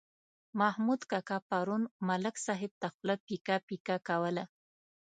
محمود کاکا پرون ملک صاحب ته خوله پیکه پیکه کوله.